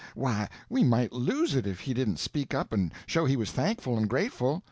Why, we might lose it if he didn't speak up and show he was thankful and grateful.